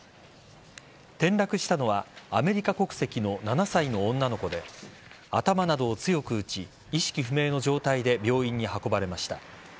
転落したのはアメリカ国籍の７歳の女の子で頭などを強く打ち意識不明の状態で病院に運ばれました。